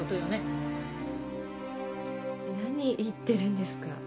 何言ってるんですか？